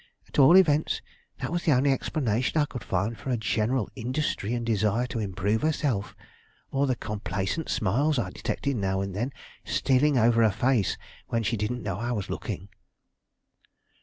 At all events, that was the only explanation I could find for her general industry and desire to improve herself, or for the complacent smiles I detected now and then stealing over her face when she didn't know I was looking."